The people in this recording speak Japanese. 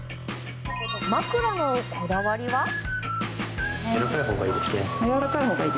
枕のこだわりは。